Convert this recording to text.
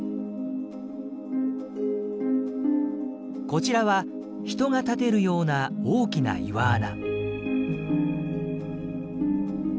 こちらは人が立てるような大きな岩穴。